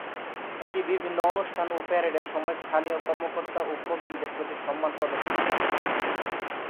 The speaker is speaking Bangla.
এটি বিভিন্ন অনুষ্ঠান ও প্যারেডের সময় স্থানীয় কর্মকর্তা ও প্রবীণদের প্রতি সম্মান প্রদর্শন করে।